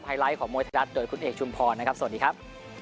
ไลท์ของมวยไทยรัฐโดยคุณเอกชุมพรนะครับสวัสดีครับ